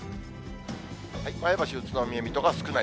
前橋、宇都宮、水戸が少ない。